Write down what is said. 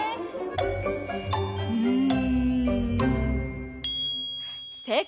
うん。